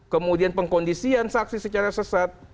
kemudian pengkondisian saksi secara sesat